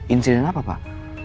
insiden apa pak